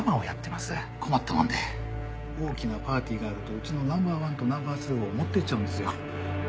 困ったもんで大きなパーティーがあるとうちのナンバー１とナンバー２を持っていっちゃうんですよ。